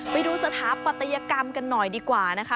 ไปดูสถาปัตยกรรมกันหน่อยดีกว่านะคะ